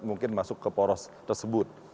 mungkin masuk ke poros tersebut